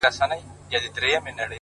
هله تياره ده په تلوار راته خبري کوه ـ